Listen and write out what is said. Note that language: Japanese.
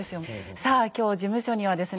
さあ今日事務所にはですね